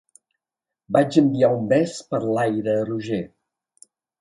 Vaig enviar un bes per l'aire a Roger.